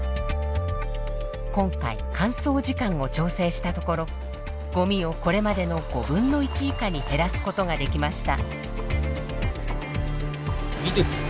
今回乾燥時間を調整したところゴミをこれまでの５分の１以下に減らすことができました。